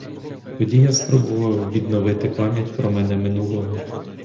Тоді я спробував відновити пам'ять про мене минулого.